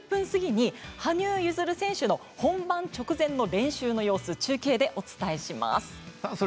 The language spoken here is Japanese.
すぎに羽生結弦選手の本番直前の練習の様子、中継でお伝えします。